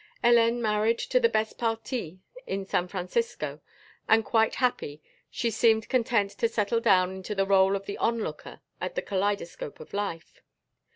Hélène married to the best parti in San Francisco and quite happy, she seemed content to settle down into the role of the onlooker at the kaleidoscope of life.